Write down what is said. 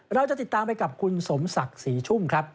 เราจะติดตามไปกับคุณสมศักดิ์ศรีชุ่มครับ